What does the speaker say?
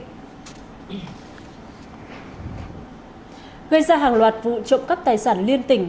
gây ra hàng loạt vụ trộm cắp tài sản liên tỉnh